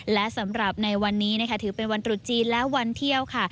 และสำหรับในวันนี้นะคะถือเป็นวันตรุษจีนและวันเที่ยวค่ะ